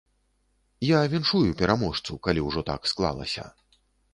Я віншую пераможцу, калі ўжо так склалася.